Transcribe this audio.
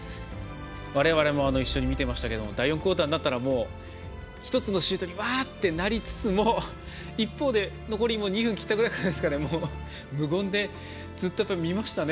われわれも一緒に見ていましたが第４クオーターになったら１つのシュートにワーッとなりつつも一方で残り２分切ったぐらいから無言で、ずっと見ましたね